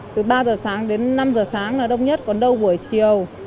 từ ba giờ sáng đến năm giờ sáng là đông nhất còn đâu buổi chiều